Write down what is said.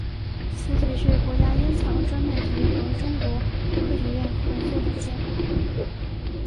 此举是国家烟草专卖局和中国科学院合作的结果。